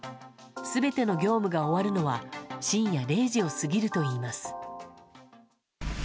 すべての業務が終わるのは、深夜０時を過ぎるといいます。